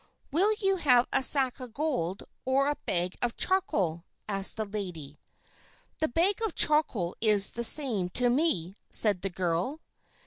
"Will you have a sack of gold or a bag of charcoal?" asked the lady. "The bag of charcoal is the same to me," said the girl.